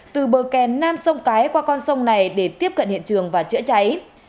từ bờ kè nam sông cái qua con sông này để tiếp cận hiện trường và chữa cháy